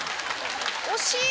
惜しい！